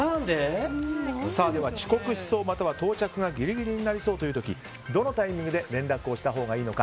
遅刻しそうまたは到着がギリギリになりそうな時どのタイミングで連絡をしたほうがいいのか。